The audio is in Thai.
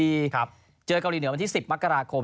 เจอเกาหลีเหนือวันที่๑๐มกราคม